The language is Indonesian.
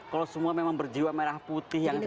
kalau semua memang berjiwa merah putih yang tinggi